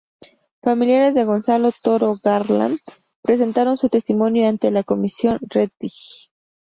Familiares de Gonzalo Toro Garland presentaron su testimonio ante la Comisión Rettig.